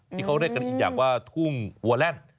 ที่เขาเรียกกันอีกอย่างว่าทุ่งวัวแลนด์